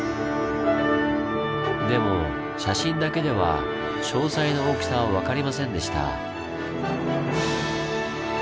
でも写真だけでは詳細な大きさは分かりませんでした。